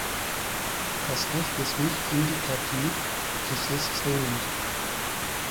Das Recht ist nicht indikativ, es ist zwingend.